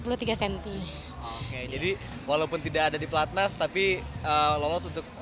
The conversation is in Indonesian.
oke jadi walaupun tidak ada di platnas tapi lolos untuk